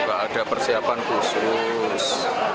ada persiapan khusus